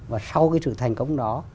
và sau sự thành công đó